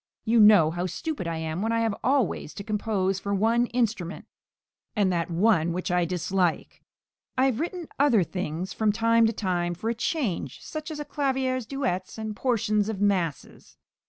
You know how stupid I am when I have always to compose for one instrument (and that one which I dislike). I have written other things from time to time for a change, such as clavier duets and portions of masses.